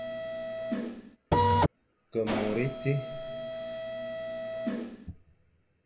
Ke môr étie.